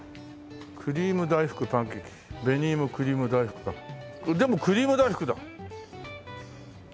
「クリーム大福パンケーキ」「紅芋クリーム大福パンケーキ」全部クリーム大福だ。